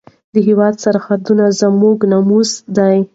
د هېواد سرحدونه زموږ ناموس دی.